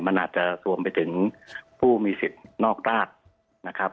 มันอาจจะรวมไปถึงผู้มีสิทธิ์นอกราชนะครับ